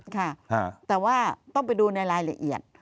ค่ะแต่ว่าต้องไปดูในรายละเอียด